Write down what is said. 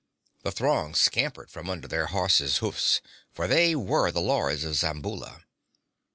The throng scampered from under their horses' hoofs, for they were the lords of Zamboula.